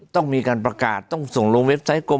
ต้องมีการประกาศต้องส่งลงเว็บไซต์กมบัญชีกาง